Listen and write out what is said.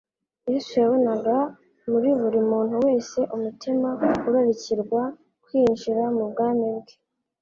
Yesu yabonaga muri buri muntu wese umutima urarikirwa kwinjira mu bwami bwe.